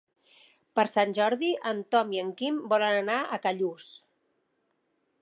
Per Sant Jordi en Tom i en Quim volen anar a Callús.